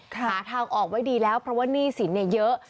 หาทางออกไว้ดีแล้วเพราะว่าหนี้สินเยอะ